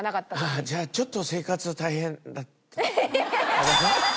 ああじゃあちょっと生活大変だったんだ。